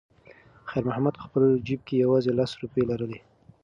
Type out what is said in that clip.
خیر محمد په خپل جېب کې یوازې لس روپۍ لرلې.